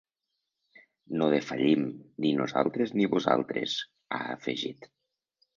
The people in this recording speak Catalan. No defallim, ni nosaltres ni vosaltres, ha afegit.